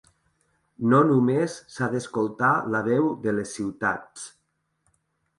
No només s’ha d’escoltar la veu de les ciutats.